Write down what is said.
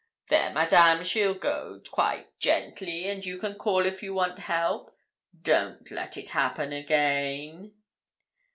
'There, Madame, she'll go quite gently, and you can call if you want help. Don't let it happen again.'